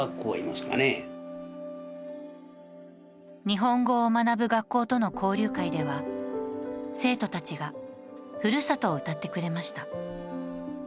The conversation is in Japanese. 日本語を学ぶ学校との交流会では、生徒たちが「故郷」を歌ってくれました。